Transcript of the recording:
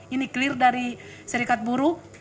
ini clear dari serikat buruh